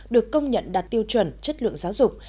được công nhận đạt tiêu chuẩn chất lượng giáo dục